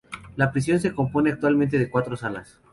La prisión se compone actualmente de cuatro salas.